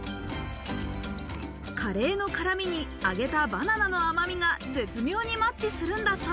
カレーの辛みに揚げたバナナの甘みが絶妙にマッチするんだそう。